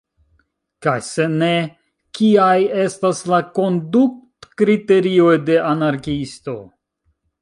Kaj se ne, kiaj estas la kondutkriterioj de anarkiisto?